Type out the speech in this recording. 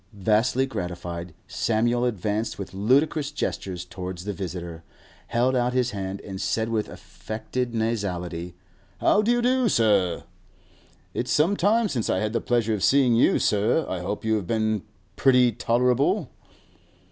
Vastly gratified, Samuel advanced with ludicrous gestures towards the visitor, held out his hand, and said with affected nasality, 'How do you do, sir? It's some time since I had the pleasure of seeing you, sir. I hope you have been pretty tolerable.